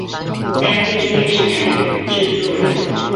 三立電視台製作人